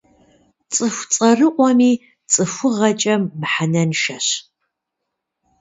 Цӏыху цӏэрыӏуэми цӏыхугъэкӏэ мыхьэнэншэщ.